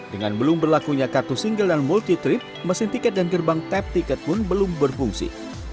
dengan belum berlakunya kartu single dan multi trip mesin tiket dan gerbang tap tiket pun belum berfungsi